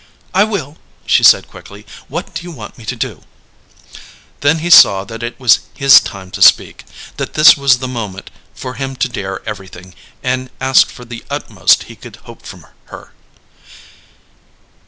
"I will," she said quickly. "What do you want me to do?" Then he saw that it was his time to speak; that this was the moment for him to dare everything and ask for the utmost he could hope from her.